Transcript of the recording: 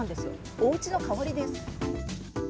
おうちの代わりです。